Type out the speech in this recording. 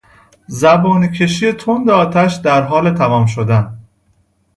زبانهکشی تند آتش در حال تمام شدن